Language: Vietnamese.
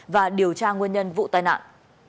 và điều tra nguyên nhân vụ tai nạn